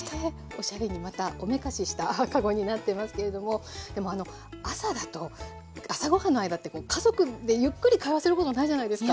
おしゃれにまたおめかしした籠になっていますけれどもでもあの朝だと朝ご飯の間って家族でゆっくり会話することないじゃないですか？